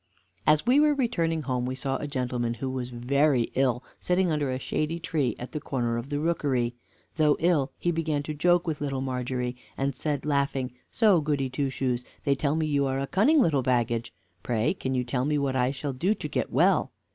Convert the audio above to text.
As we were returning home, we saw a gentleman, who was very ill, sitting under a shady tree at the corner of the rookery. Though ill, he began to joke with Little Margery, and said, laughing, "So, Goody Two Shoes, they tell me you are a cunning little baggage; pray can you tell me what I shall do to get well?"